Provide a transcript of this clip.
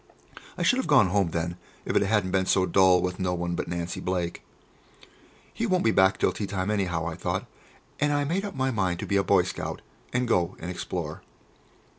I should have gone home then, if it hadn't been so dull with no one but Nancy Blake. "He won't be back until tea time anyhow," I thought, and I made up my mind to be a boy scout, and go and explore.